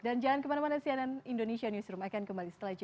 dan jangan kemana mana cnn indonesia newsroom akan kembali setelah ini